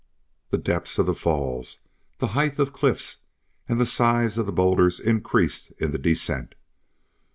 The depth of the falls, the height of cliffs, and the size of the bowlders increased in the descent.